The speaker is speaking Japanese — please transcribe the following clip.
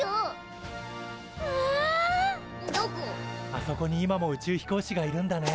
あそこにも今も宇宙飛行士がいるんだね。